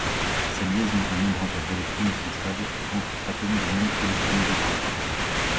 Ces liaisons à nombre impair d'électrons ne sont stables qu'entre atomes de même électronégativité.